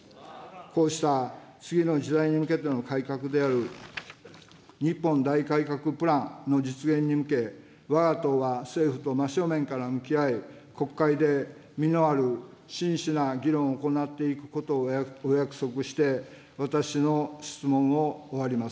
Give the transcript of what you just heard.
こうした次の時代に向けての改革である日本大改革プランの実現に向け、わが党は政府と真っ正面から向き合い、国会で実のある真摯な議論を行っていくことをお約束して、私の質問を終わります。